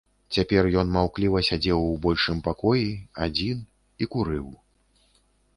Цяпер ён маўкліва сядзеў у большым пакоі, адзін, і курыў.